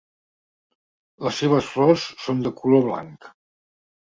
Les seves flors són de color blanc.